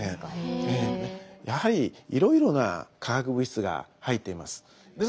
やはりいろいろな化学物質が入っています。